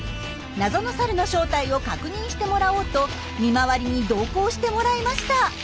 謎のサルの正体を確認してもらおうと見回りに同行してもらいました。